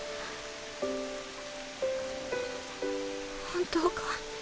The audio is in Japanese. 本当か？